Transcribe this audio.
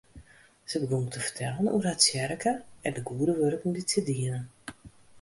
Se begûn te fertellen oer har tsjerke en de goede wurken dy't se dienen.